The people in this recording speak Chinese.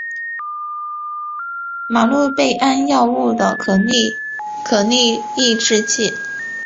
吗氯贝胺药物的可逆抑制剂。